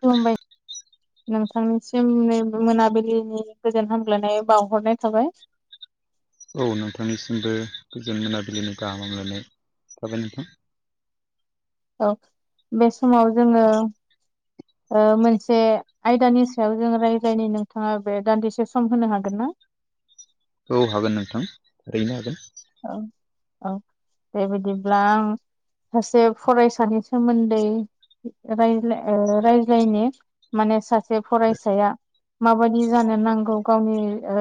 खुलुमबाय नोंथांनिसिम नैबे मोनाबिलिनि गोजोन हामग्लायनाय बावहरनाय थाबाय औ नोंथांनिसिमबो गोजोन मोनाबिलिनि गाहामलायनाय थाबाय नोंथां औ बे समाव जोङो ओ मोनसे आयदानि सायाव जों रायज्लायनो नोंथाङा बे दान्दिसे सम होनो हागोन ना औ हागोन नोंथां ओरैनो हागोन औ औ दे बिदिब्ला आं सासे फरायसानि सोमोन्दै रायज्लाय रायज्लायनो माने सासे फरायसाया माबायदि जानो नांगौ गावनि ओ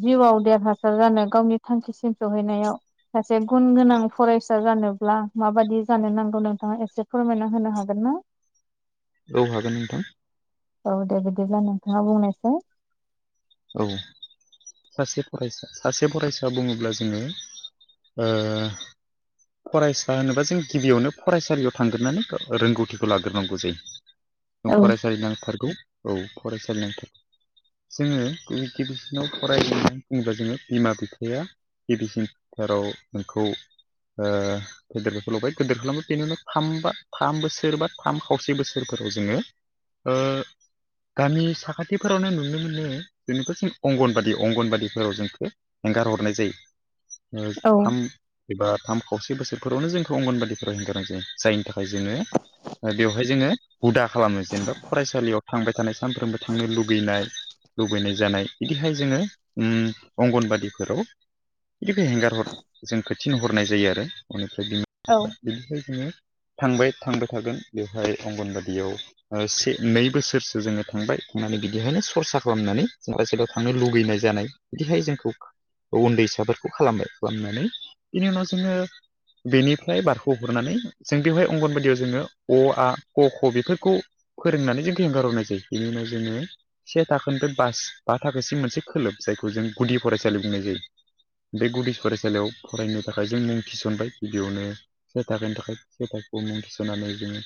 जिउआव देरहासार जानो गावनि थांखिसिम सहैनायाव सासे गुन गोनां फरायसा जानोब्ला माबादि जानो नांगौ नोंथाङा एसे फोरमायना होनो हागोन ना [inaudible] औ हागोन नोंथां औ दे बिदिब्ला नोंथाङा बुंनासाय। औ। सासे फरायसा सासे फरायसा बुङोब्ला जोङो। ओ फरायसा होनोबा जों गिबियावनो फरायसालियाव थांग्रोननानै रोंगौथिखौ लाग्रोनांगौ जायो। [inaudible] नों फरायसालि नांथारगौ औ फरायसालि नांथार जोङो बै गिबिसिनाव फराय होननानै बुङोब्ला जोङो बिमा बिफाया गिबिसिन थाराव नोंखौ ओ गेदेरबाय फोलावबाय गोदोर खालामो बेनि उनाव थाम बा थाम बोसोर बा थाम खावसे बोसोरफोराव जोङो ओ गामि साखाथिफोरावनो नु नुनो मोनो जोंनिथ' जों अंगनबादि अंगनबादिफोराव जोंखो एंगार हरनाय जायो। ओ औ थाम एबा थाम खावसे बोसोरफोरावनो जोंखौ अंगनबादिफोराव हेंगारनाय गोनां जायो। जायनि थाखाय जोङो बेवहाय जोङो हुदा खालामो जेनबा फरायसालियाव थांबाय थानाय सानफ्रोमबो थांनो लुुबैनाय लुबैनाय जानाय बिदिहाय जोङो उम अंगनबादिफोराव बिनिफ्राय हेंगार हर जों खोथिनहरनाय जायो आरो बेनिफ्राय बिमा औ बिफाफ्रा बिनिफ्राय जोङो थांबाय थांबाय थागोन बेवहाय अंगनबादियाव ओ से नै बोसोरसो जोङो थांबाय थांनानै बिदिहायनो सरसा खालामनानै जेन जायगाव थांनो लुगैनाय जानाय बिदिहाय जोंखौ उन्दैसाफोरखौ खालामबाय खालामनानै बिनि उनाव जोङो बेनिफ्राय बारख' हरनानै जों बेवहाय अंगनबादियाव जोङो अ आ क ख बेफोरखौ फोरोंनानै जोंखौ हेंगार हरनाय जायो। बेनि उनाव जोङो से थाखोनिफ्राय बास बा थाखोसिम मोनसे खोलोब जायखौ जों गुदि फरायसालि बुंनाय जायो। बे गुदि फरायसालियाव फरायनो थाखाय जों मुं थिसनबाय गिबियावनो जाय थाखोनि थाखाय सैथाोखौ मुं थिसोनानै जोङो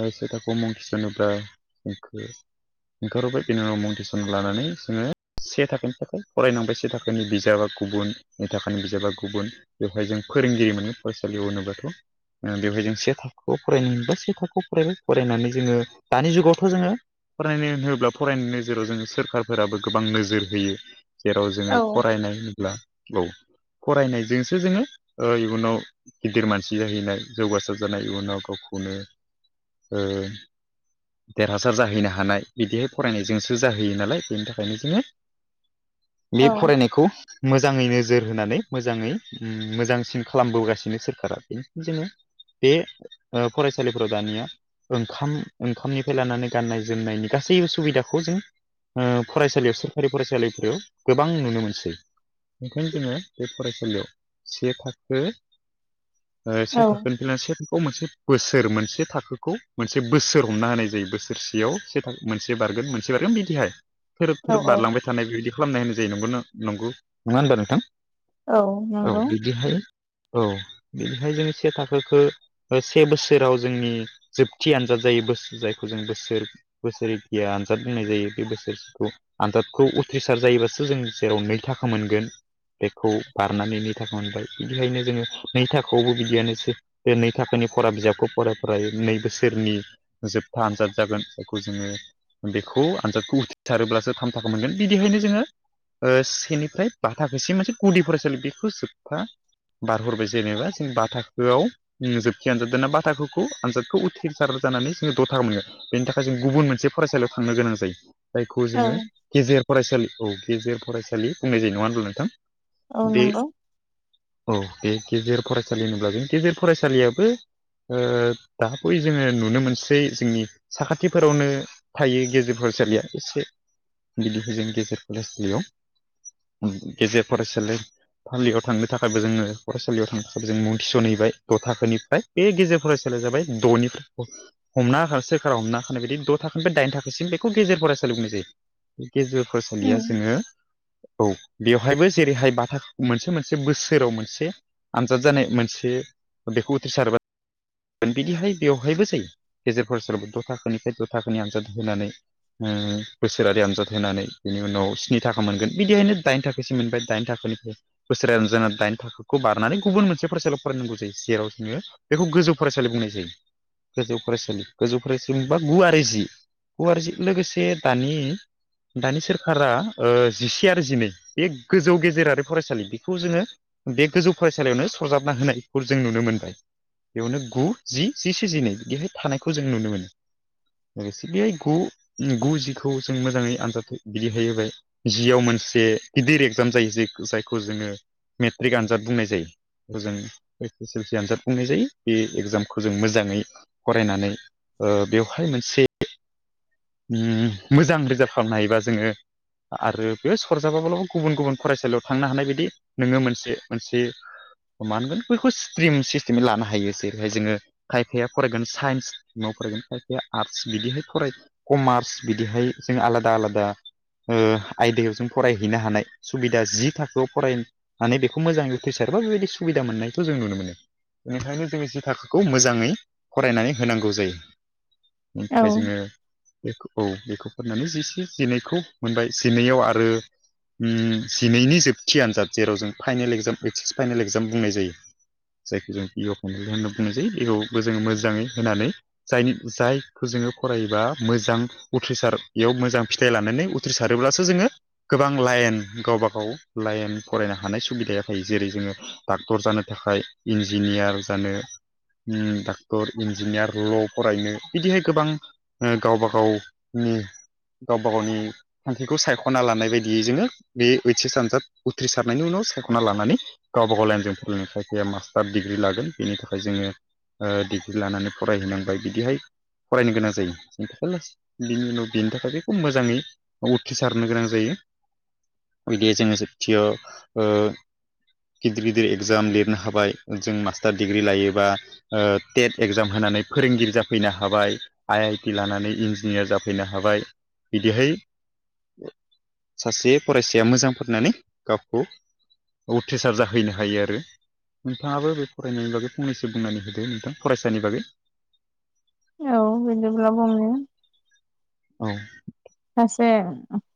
आरो से थाखोआव मुं थिसोनोब्ला हांखो ओंखारबाय बेनि उनाव मुं टिउसन लानानै जोङो से थाखोनिफ्राय फरायनांबाय से थाखोनि बिजाबा गुबुनन नै थाखोनि बिजाबा गुबुन बेवहाय जों फोरोंगिरि मोनो फरायसालियाव होनोबाथ' ओ बेवहाय जों से थाखोआव फरायनो मोनबाय से थाखोआव फरायबाय फरायनानै जोङो दानि जुगावथ' जोङो फरायनो होनोब्ला फरायनो जेराव जोङो सोरखारफोराबो गोबां नोजोर होयो जेराव जोङो औ फरायनाय होनोब्ला औ फरायनायजोंसो जोङो ओ इयुनाव गिदिर मानसि जाहैनाय जौगासार जानाय इयुनाव गावखौनो ओ देरहासार जाहैनो हानाय बिदिहाय फरायनायजों जाहोयो नालाय बेनि थाखायनो जोङो औ बे फरायनायखौ मोजाङै नोजोर होनानै मोजाङै मोजांसिन खालामबोगासिनो सोरखारा बेनिखायनो जोङो बे ओ फरायसालिफोराव दानिया ओंखाम ओंखामनिफ्राय लानानै गाननाय जोमनायनि गासैबो सुबिदाखौ जों ओ फरायसालियाव सोरखारि फरायसालिफोराव गोबां नुनो मोनसै। ओंखायनो जोङो बे फरायसालियाव से थाखो ओ से औ थाखोनि जोंना से थाखोआव मोनसे बोसोर मोनसे थाखोखौ मोनसे बोसोर हमना होनाय जायो। बोसोरसेयाव मोनसे थाखो मोनसे बारगोन मोनसे बारगोन बि दिहाय थोरोब औ थोरोब औ बारलांबाय थानाय बेबायदि खालामनाय होननाय जायो नंगौ नंगौ नङा ओनबा नोंथां। औ औ नंगौ बिदिहाय औ बिदिहाय जों से थाखोखो ओ से बोसोराव जोंनि जोबथि आनजाद जायो बोसोर जायखौ जों बोसोर बोसोरिखिया आनजाद बुंनाय जायो। बे बोसोरसेखौ आनजादखौ उथ्रिसार जायोबासो जों जेराव नै थाखो मोनगोन। बेखौ बारनानै नै थाखो मोनबाय बिदिखायनो जोङो नै थाखोआवबो बिदियानोसै। बे नै थाखोनि फरा बिजाबखौ फराय फराय नै बोसोरनि जोबथा आनजाद जागोन बेखौ जोङो बेखौ आनजादखौ उथ्रिसारोब्लासो थाम थाखो मोनगोन बिदिहायनो जोङो ओ सेनिफ्राय बा थाखोसिम मोनसे गुदि फरायसालि बेखौ जोबथा बारहरबाय जेनेबा जों बा थाखोआव उम जोबथि आनजाद बा थाखोखौ आनजादखौ उथ्रिसार जानानै जोङो द' थाखो मोनगोन। बेनि थाखाय जों गुबुन मोनसे फरायसालियाव थांनो गोनां जायो। जायखौ औ जोङो गेजेर फरायसालि औ गेजेर फरायसालि बुंनाय जायो नङा होनब्ला नोंथां। औ बे नंगौ औ बे गेजेर फरायसालि होनोब्ला बे गेजेर फरायसालियाबो ओ दा बै जोङो नुनो मोनसै जोंनि साखाथिफोरावनो थायो गेजेर फरायसालिया एसे बिदिहो जों गेजेर फरायसालियाव गेजेर फरायसालि थाललियाव थांनो थाखायबो जोङो फरायसालियाव थांनो थाखायबो जों मुं थिसनहैबाय द' थाखोनिफ्राय बे गेजेर फरायसालिया जाबाय द'निफ्राय हमना होनाखानाय सोरखारा हमना होखानायबायदि द' थाखानिनिफ्राय दाइन थाखोसिम बेखौ गेजेर फरायसालि बुंनाय जायो गेजेर फरायसालिया उम जोङो औ बेवहायबो जेरैहाय बाथा मोनसे मोनसे बोसोराव मोनसे आनजाद जानाय मोनसे बेखौ उथ्रिसारबा बिदिहाय बेवहायबो जायो गेजेरफोर सोरबा द' थाखोनिफ्राय द' थाखोनि आनजाद होनानै ओ बोसोरारि आनजाद होनानै बेनि उनाव स्नि थाखा मोनगोन बिदिहायनो दाइन थाखो बेसे मोनबाय दाइन थाखोनिफ्राय बोसोरारि आनजाद जाना दाइन थाखोखौ बारनानै गुबुन मोनसे फरायसालियाव फरायनांगौ जायो जेराव जोङो बेखौ गोजौ फरायसालि बुंनाय जायो। गोजौ फरायसालि गोजौ फरायसालि होनबा गु आरो जि गु आरो जि लोगोसे दानि दानि सोरखारा ओ जिसे आरो जिनै बे गोजौ गेजेरारि फरायसालि बेखौ जोङो बे गोजौ फरायसालियावनो सरजाबना होनायखौ जों नुनो मोनबाय। बेयावनो गु जि जिसे जिनै बिदिहाय थानायखौ जों नुनो मोनो। लोगोसे बे गु जिखौ जों मोजाङै आनजाद बिदिहैबाय जियाव मोनसे गिदिर एक्जाम जायो जे जायखौ जोङो मेट्रिक आनजाद बुंनाय जायो। बेखौ जों सफ सफि आनजाद बुंनाय जायो। बे एग्जामखौ जों मोजाङै फरायनानै ओ बेवहाय मोनसे ओम मोजां रिजाल खालामनो हायोबा जोङो आरो बेयो सरजाबाब्लाबो गुबुन गुबुन फरायसालियाव थांनो हानाय बायदि नोङो मोनसे मोनसे मा होनगोन बैखौ स्ट्रिम सिस्टेमै लानो हायो। जेरैहाय जोङो खायफाया फरायगोन साइन्स सिट्रिमाव फरायगोन खायफाया आर्टस बिदिहाय फराय कमार्स बिदिहाय जों आलादा आलादा ओ आयदायाव जों फरायहैनो हानाय सुबिदा जि थाखोआव फराय माने बेखौ मोजाङै फ्रिसारबा बेबायदि सुबिदा मोननायखौ जों नुनो मोनो। बेनिखायनो जो जि थाखोखौ मोजाङै फरायनानै होनांगौ जायो बेनि औ थाखाय जोङो बे औ बेखौ फाननानै जिसे जिनैखौ मोनबाय जिनैआव आरो ओम जिनैनि जोबथि आनजाद जेराव जों फाइनेल एक्जाम ओस एस एक्जाम बुंनाय जायो। जायखौ जों पि अ' फायनाल होननानै बुंनाय जायो बेखौबो जोङो मोजाङै होनानै जायनि जायखौ जोङो फरायोबा मोजां उथ्रिसार बेयाव मोजां फिथाइ लानानै उथ्रिसारोब्लासो जोङो गोबां लाइन गावबा गाव लाइन फरायनो हानाय सुबिदाया थायो जेरै जोङो डाक्टर जानो थाखाय इन्जिनियार जानो डाक्टर इन्जिनियार ल' फरायनो बिदिहाय गोबां ओ गावबा गावनि गावबा गावनि थांखिखौ सायख'ना लानाय बायदियै जोङो बे ओइ एस आनजाद उथ्रिसारनायनि उनाव सायख'ना लानानै गावबा गाव लाइनजों फरायनाय खायसेयख मास्टार डिग्रि लागोन। बेनि थाखाय जोङो डिग्रि ओ लानानै फरायहैनांबाय बिदिहाय फरायनो गोनां जायो। बिनि उनाव बेनि थाखाय बेखौ मोजाङै उथ्रिसारनो गोनां जायो। बिदि जोङो जोबथियाव ओ गिदिर गिदिर एगजाम लिरनो हाबाय जों मास्टार डिग्रि लायोबा टेट एग्जाम होनानै फोरोंगिरि जाफैनो हाबाय। आइ आइ टि लानानै इन्जिनियार जाफैनो हाबाय बिदिहाय सासे फरायसाया मोजां फरायनानै गावखौ उथ्रिसार जाहैनो हायो आरो नोंथाङाबो बे फरायनायनि बागै फंनैसो बुंनानै होदो नोंथां फरायसानि बागै औ बिदिब्ला बुंनि औ [unintelligible]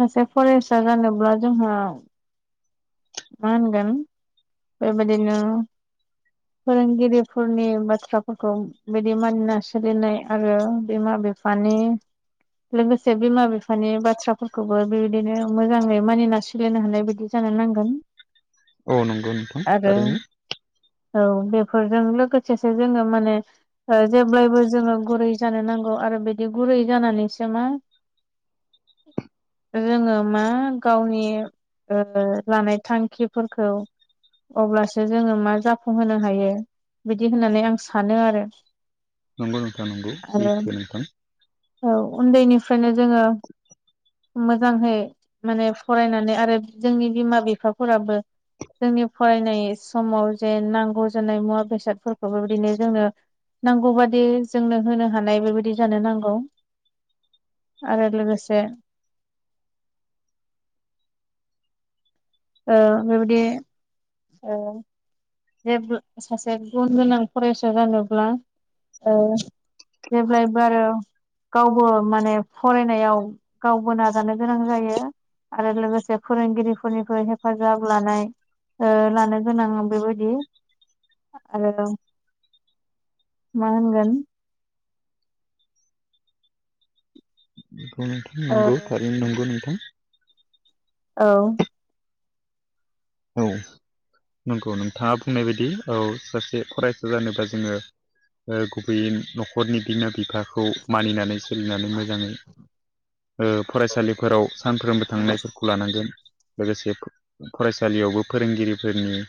सासे फरायसा जानोब्ला जोंहा मा होनगोन बेबायदिनो फोरोंगिरिफोरनि बाथ्राफोरखौ बिदि मानिना सोलिनाय आरो बिमा बिफा माने लोगोसे बिमा बिफानि बाथ्राफोरखौबो बेबायदिनो मोजाङै मानिना सोलिनो हानाय बायदि जानो नांगोन औ नंगौ नोंथां आरो थारैनो औ बेफोरजों लोगोसेसो जोङो माने ओ जेब्लायबो जोङो गुरै जानो नांगौ आरो बिदि गुरै जानानैसो मा जोङो मा गावनि ओ लानाय थांखिफोरखौ अब्लासो जोङो मा जाफुंहोनो हायो बिदि होननानै आं सानो आरो नंगौ नोंथां नंगौ आरो सैथो नोंथां औ उन्दैनिफ्रायनो जोङो मोजांहै माने फरायनानै आरो जोंनि बिमा बिफाफोराबो जोंनि फरायनाय समाव जे नांगौ जानाय मुवा बेसादफोरखौ बेबायदिनो जोंनो नांगौबादि जोंनो होनो हानाय बेबायदि जानो नांगौ आरो लोगोसे ओ बेबायदि ओ जेब्ला सासे गुन गोनां फरायसा जानोब्ला ओ जेब्लायबो आरो गावबो माने फरायनायाव गावबो नाजानो गोनां जायो आरो लोगोसे फोरोंगिरिफोरनिबो हेफाजाब लानाय लानो गोनां बेबा बिदि आरो मा होनगोन नंगौ नोंथां ओ नंगौ थारैनो नंगौ नोंथां औ औ नंगौ नोंथाङा बुंनाय बायदि औ सासे फरायसा जानोबा जोङो गुबैयै न'खरनि बिमा बिफाखौ मानिनानै सोलिनानै मोजाङै ओ फरायसालिफोराव सानफ्रोमबो थांनायफोरखौ लानांगोन लोगोसे फरायसा सालियावबो फोरोंगिरिफोरनि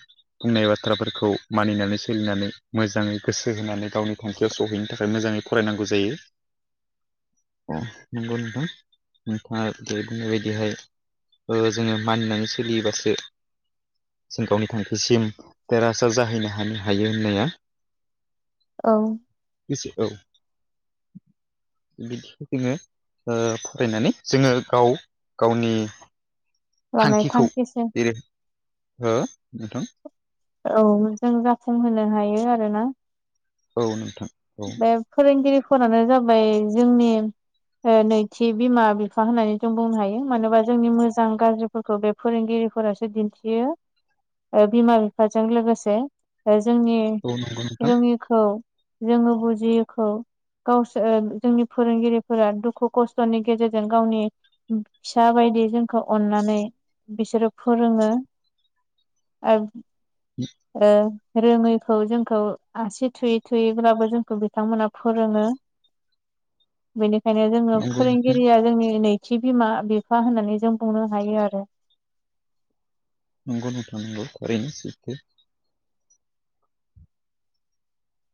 बुंनाय बाथ्राफोरखौ मानिनानै सोलिनानै मोजाङै गोसो होनानै गावनि थांखियाव सहैनो थाखाय मोजाङै फरायनांगौ जायो अ नंगौ नोंथां नोंथाङा दय बुंनाय बायदिहाय ओ जोङो मानिनानै सोलियोबासो जों गावनि थांखिसिम देरहासार जाहैनो हानो हायो होननाया औ गोसो औ बिदि जोङो ओ फरायनानै जोङो गाव गावनि लानाय थांखिखौ थांखिसो जेरै ओ नोंथां औ जों जाफुंहोनो हायो आरोना औ नोंथां औ बे फोरोंगिरिफोरानो जाबाय जोंनि ओ नैथि बिमा बिफा होननानै जों बुंनो हायो मानोबा जोंनि मोजां गाज्रि फोरखौ बे फोरोंगिरिफोरासो दिन्थियो ओ बिमा बिफाजों लोगोसे ओ जोंनि औ नंगौ नोंथां रोङिखौ जोङो बुजियिखौ गावसोर जोंनि फोरोंगिरिफोरा दुखु खस्थ'नि गेजेरजों गावनि फिसा बायदि जोंखौ अननानै बिसोरो फोरोङो ओब [inaudible] ओ रोङैखौ जोंखौ आसि थुयै थुयैब्लाबो जोंखौ बिथांमोना फोरोङो [inaudible] बेनिखायनो जोङो नंगौ नोंथां फोरोंगिरिया जोंनि नैथि बिमा बिफा होननानै जों बुंनो हायो आरो नंगौ नोंथा नांगौ थारैनो सैथो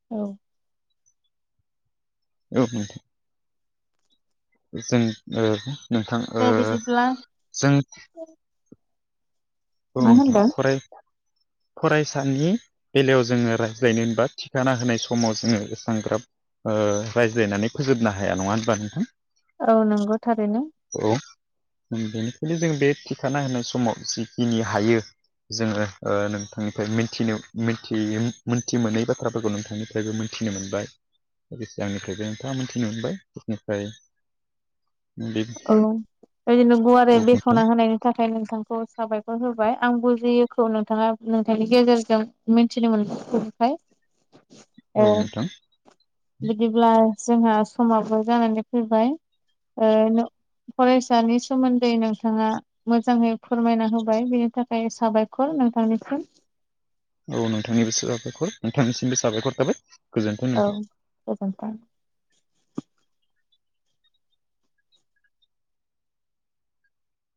औ औ नोंथां जों ओ नोंथां ओ दे बिदिब्ला जों औ मा नोंथां होनदों फराय फरायसानि बेलायाव जोङो रायज्लायनो होनबा थिखाना होनाय समाव जोङो एसांग्राब ओ रायज्लायनानै फोजोबनो हाया नङा होनब्ला नोंथां औ नंगौ थारैनो औ जों बेनिखायनो जों बे थिखाना होनाय समाव जिखिनि हायो जोङो ओ नोंथांनिफ्राय मिथिनो मिथियै मोनथि मोनै बाथ्राफोरखौ नोंथांनि फ्रायबो मोनथिनो मोनबाय। लोगोसे आंनिफ्रायबो नोंथाङा मोनथिनो मोनबाय बिनिफ्राय औ इदिनो गुवारै औ नोंथां बेखवना होनाय थाखाय नोंथांखौ साबायखर होबाय आं बुजियैखौ नोंथाङा नोंथांनि गेजेरजों मिथिनो मोनबोबाय [unintelligible] औ नोंथां। बिदिब्ला जोंहा समाबो जानानै फैबाय ओ नों फरायसानि सोमोन्दै नोंथाङा मोजाङै फोरमायना होबाय बेनि थाखाय साबायखर नोंथांनिसिम औ नोंथांनिबोसो साबायखर नोंथांनिसिमबो साबायखर थाबाय। गोजोन्थों औ नोंथां गोजोनथों।